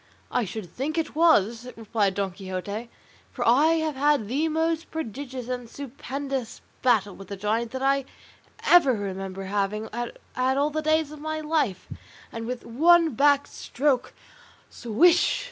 "I should think it was," replied Don Quixote, "for I have had the most prodigious and stupendous battle with the giant that I ever remember having had all the days of my life; and with one back stroke swish!